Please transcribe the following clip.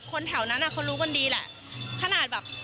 คนแถวนั้นเค้ารู้กันดีแหละขณะแบบ